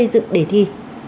trực đề thi